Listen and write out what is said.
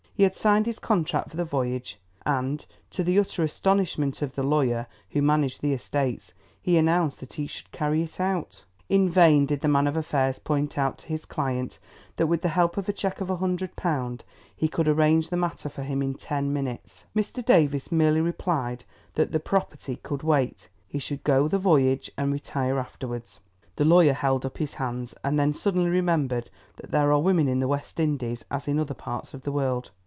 He had signed his contract for the voyage, and, to the utter astonishment of the lawyer who managed the estates, he announced that he should carry it out. In vain did the man of affairs point out to his client that with the help of a cheque of £100 he could arrange the matter for him in ten minutes. Mr. Davies merely replied that the property could wait, he should go the voyage and retire afterwards. The lawyer held up his hands, and then suddenly remembered that there are women in the West Indies as in other parts of the world.